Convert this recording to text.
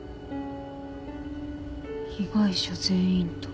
被害者全員と。